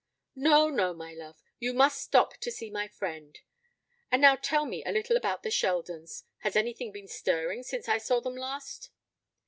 "No, no, my love; you must stop to see my friend. And now tell me a little about the Sheldons. Has anything been stirring since I saw them last?"